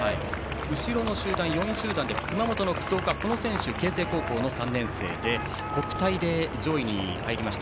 後ろの４位集団熊本の楠岡はこの選手、慶誠高３年生で国体で上位に入りました。